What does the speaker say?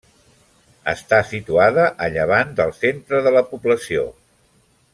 Està situada a llevant del centre de la població.